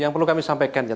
yang perlu kami sampaikan ya